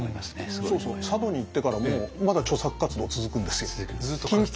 そうそう佐渡に行ってからもまだ著作活動続くんですよ。